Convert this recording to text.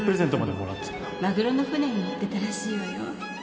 マグロの船に乗ってたらしいわよ